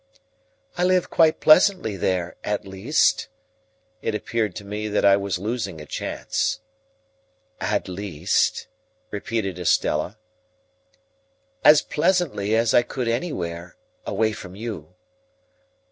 "I live quite pleasantly there; at least—" It appeared to me that I was losing a chance. "At least?" repeated Estella. "As pleasantly as I could anywhere, away from you."